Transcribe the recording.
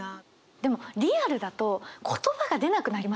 でもリアルだと言葉が出なくなりませんか？